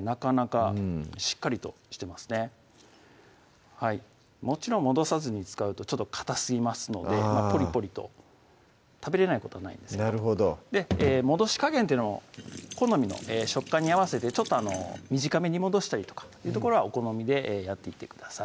なかなかしっかりとしてますねもちろん戻さずに使うとちょっとかたすぎますのでポリポリと食べれないことはないんですけど戻し加減っていうのも好みの食感に合わせてちょっと短めに戻したりとかいうところはお好みでやっていってください